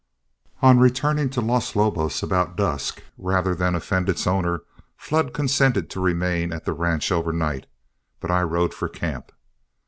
On returning to Los Lobos about dusk, rather than offend its owner, Flood consented to remain at the ranch overnight, but I rode for camp.